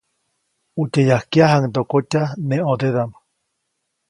ʼUtye yãjkyajaŋdokotya neʼ ʼõdedaʼm.